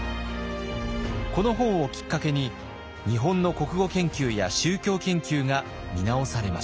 この本をきっかけに日本の国語研究や宗教研究が見直されました。